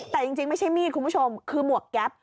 แต่จริงไม่ใช่มีดคุณผู้ชมคือหมวกแก๊ป